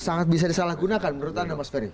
sangat bisa disalahgunakan menurut anda mas ferry